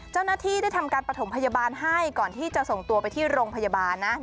เจ้าหน้าที่ได้ทำการประถมพยาบาลให้ก่อนที่จะส่งตัวไปที่โรงพยาบาลนะ